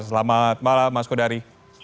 selamat malam mas kodari